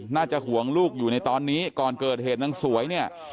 น่าจะห่วงลูกอยู่ในตอนนี้ก่อนเกิดเหตุนางสวยเนี่ย